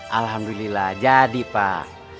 alhamdulillah jadi pak